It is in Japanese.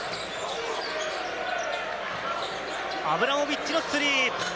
アブラモビッチのスリー。